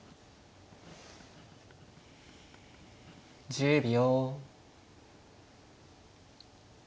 １０秒。